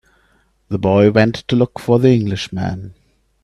The boy went to look for the Englishman.